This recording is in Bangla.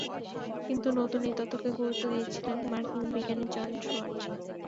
কিন্তু নতুন এই তত্ত্বকে গুরুত্ব দিয়েছিলেন মার্কিন বিজ্ঞানী জন সোয়ার্জ।